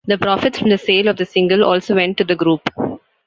The profits from the sale of the single also went to the group.